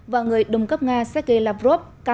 và người đồng cấp nga sergei lavrov cam kết tự do thương mại